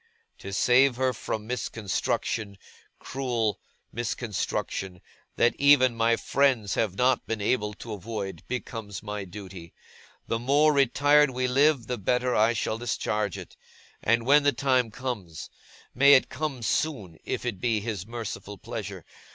To save her from misconstruction, cruel misconstruction, that even my friends have not been able to avoid, becomes my duty. The more retired we live, the better I shall discharge it. And when the time comes may it come soon, if it be His merciful pleasure!